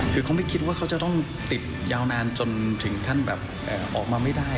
คือเขาไม่คิดว่าเขาจะต้องติดยาวนานจนถึงขั้นแบบออกมาไม่ได้